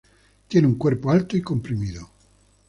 Tiene un cuerpo alto y comprimido.